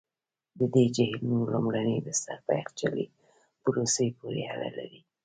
د دې جهیلونو لومړني بستر په یخچالي پروسې پوري اړه لري.